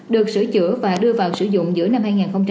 được sửa chữa và đưa vào sử dụng giữa năm hai nghìn một mươi